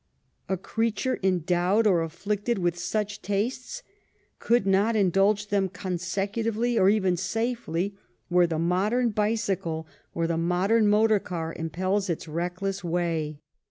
A creature endowed or afflicted with such tastes could not indulge them consecutively or even safely where the modem bicycle or the modem motor car impels its reckless way.